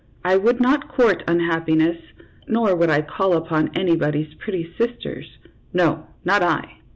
I would not court unhappiness, nor would I call upon anybody's pretty sisters no, not I.